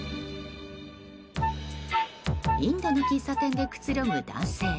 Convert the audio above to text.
インドの喫茶店でくつろぐ男性。